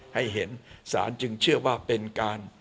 ให้เห็นศาลจึงเชื่อว่าเป็นการ